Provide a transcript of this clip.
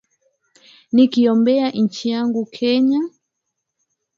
Nikiombea nchi yangu kenya